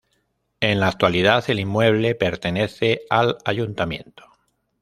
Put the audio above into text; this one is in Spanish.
En la actualidad el inmueble pertenece al Ayuntamiento.